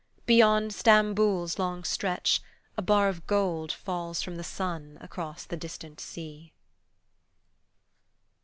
Beyond Stamboul's long stretch, a bar of gold Falls from the sun across the distant sea.